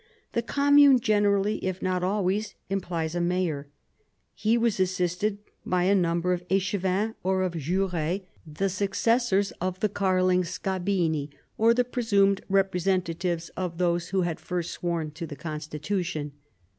The com mune generally, if not always, implies a mayor. He was assisted by a number of echevins or of jures, the v THE ADVANCE OF THE MONARCHY 149 successors of the Karling scabini, or the presumed representatives of those who had first sworn to the constitution.